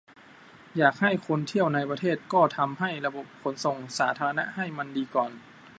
อยากให้คนเที่ยวในประเทศก็ทำระบบขนส่งสาธารณะให้มันดีก่อน